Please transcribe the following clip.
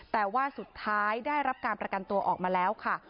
แต่ว่าสุดท้ายได้รับการประกันตัวออกมาแล้วค่ะ